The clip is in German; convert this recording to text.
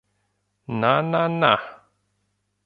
Na, na na!